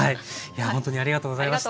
ほんとにありがとうございました。